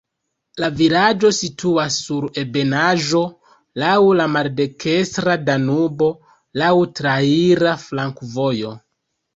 La vilaĝo situas sur ebenaĵo, laŭ la maldekstra Danubo, laŭ traira flankovojo.